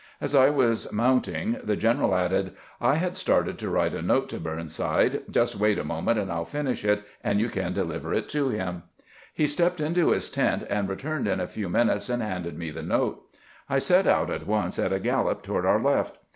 As I was mounting the general added :" I had started to write a note to Burnside; just wait a moment, and I '11 finish it, and you can deliver it to him." He stepped into his tent, and returned in a few minutes and handed me the note. I set out at once at a gallop toward our left.